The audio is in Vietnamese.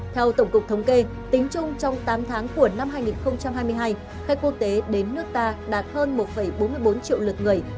theo tổng cục thống kê tính chung trong tám tháng của năm hai nghìn hai mươi hai khách quốc tế đến nước ta đạt hơn một bốn mươi bốn triệu lượt người